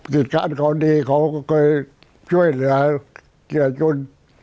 กิจการเขาดีเขาก็เคยช่วยเหลือเกียจจุน